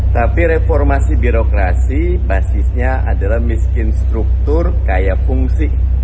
tapi reformasi birokrasi basisnya adalah mistinstruktur kaya fungsi